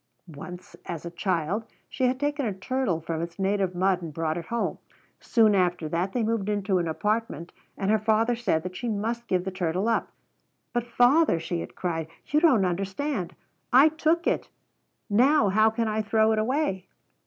Once, as a child, she had taken a turtle from its native mud and brought it home. Soon after that they moved into an apartment and her father said that she must give the turtle up. "But, father," she had cried, "you don't understand! I took it! Now how can I throw it away?"